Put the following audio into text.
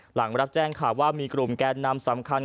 หลังรับแจ้งข่าวว่ามีกลุ่มแกนนำสำคัญ